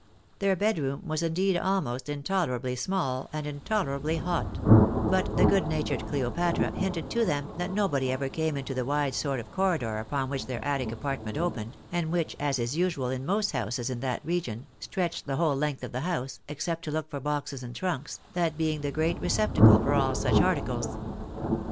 Their bedroom was indeed almost intolerably small, and intolerably hot ; but the good natured Cleopatra hinted to them that nobody ever came into the wide sort of corridor upon which their attic apart ment opened, and which, as is usual in most houses in that region, stretched the whole length of the house, except to look for boxes and trunks, that being the great receptacle for all such articles.